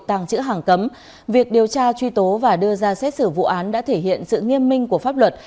tàng trữ hàng cấm việc điều tra truy tố và đưa ra xét xử vụ án đã thể hiện sự nghiêm minh của pháp luật